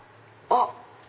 あっ！